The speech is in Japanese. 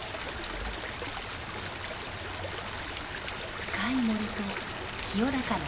深い森と清らかな水辺。